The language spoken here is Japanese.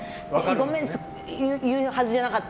ごめん、言うはずじゃなかった。